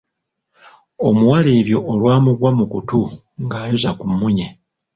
Omuwala ebyo olwamugwa mu kutu ng’ayoza ku mmunye.